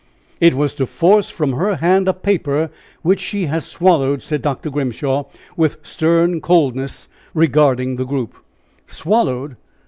"It was to force from her hand a paper which she has swallowed," said Dr. Grimshaw, with stern coldness regarding the group. "Swallowed!